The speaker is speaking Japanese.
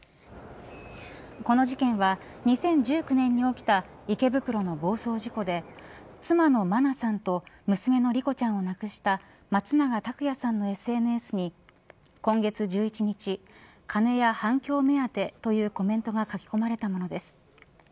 この事件は２０１９年に起きた池袋の暴走事故で妻の真菜さんと娘の莉子ちゃんを亡くした松永拓也さんのＳＮＳに今月１１日金や反響目当てというコメントが書き込まれたものです。